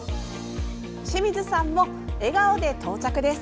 清水さんも笑顔で到着です。